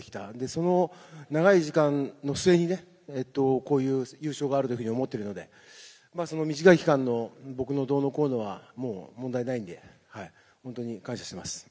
その長い時間の末にね、こういう優勝があるというふうに思ってるので、その短い期間の僕のどうのこうのは、もう問題ないんで、本当に感謝してます。